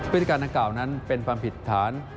พิธีการทั้งเก่านั้นเป็นความผิดฐาน